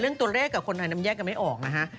เรื่องตัวเลขกับคนไทยนั้นแยกกันไม่ออกนะฮะ